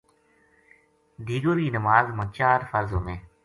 دیگر کی نماز ما چار فرض ہوویں۔